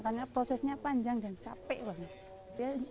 karena prosesnya panjang dan capek banget